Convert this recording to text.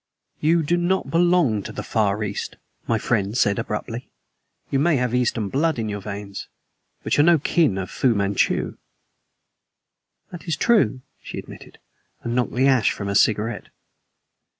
"You do not belong to the Far East," my friend said abruptly. "You may have Eastern blood in your veins, but you are no kin of Fu Manchu." "That is true," she admitted, and knocked the ash from her cigarette.